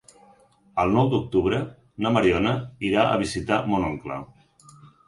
El nou d'octubre na Mariona irà a visitar mon oncle.